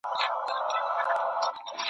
د مېچني په څېر ګرځېدی چالان وو .